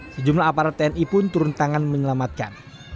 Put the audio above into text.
sejumlah aparat tni pun turun tangan menyelamatkan